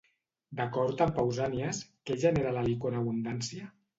D'acord amb Pausànies, què genera l'Helicó en abundància?